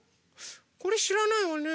これしらないわね。